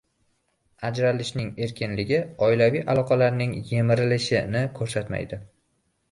…Ajralishning erkinligi oilaviy aloqalarning «emirilishi»ni ko‘rsatmaydi